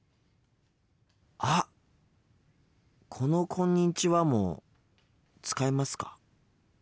あっこの「こんにちは」も使いますか？